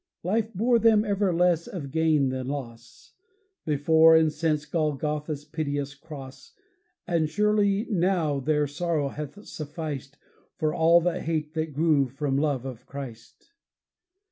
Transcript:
Life bore them ever less of gain than loss, Before and since Golgotha's piteous Cross, And surely, now, their sorrow hath sufficed For all the hate that grew from love of Christ!